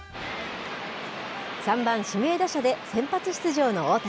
３番指名打者で先発出場の大谷。